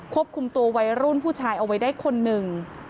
ควบคุมตัววัยรุ่นผู้ชายเอาไว้ได้คนหนึ่ง